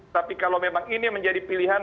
tapi kalau memang ini menjadi pilihan